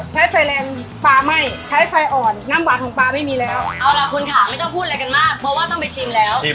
ใช้ไฟแรงปลาไหม้ใช้ไฟอ่อน